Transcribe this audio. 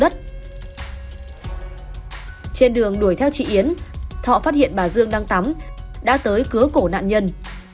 trên đường đuổi theo chị yến thọ phát hiện bà dương đang tắm đã tới cứa cổ nạn nhân